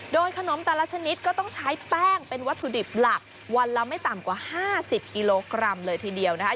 โดยขนมแต่ละชนิดก็ต้องใช้แป้งเป็นวัตถุดิบหลักวันละไม่ต่ำกว่า๕๐กิโลกรัมเลยทีเดียวนะคะ